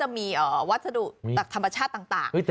แต่มีวัสดุทีมีธรรมชาติต่าง